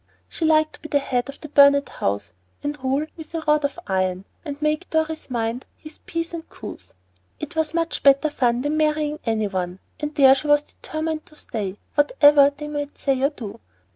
She liked to be at the head of the Burnet house and rule with a rod of iron, and make Dorry mind his p's and q's; it was much better fun than marrying any one, and there she was determined to stay, whatever they might say or do.